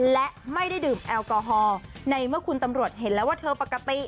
และไม่ได้ดื่มแอลกอฮอล์ในเมื่อคุณตำรวจเห็นแล้วว่าเธอปกติ